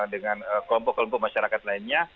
dengan kelompok kelompok masyarakat lainnya